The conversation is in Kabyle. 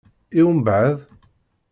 I umbeɛd?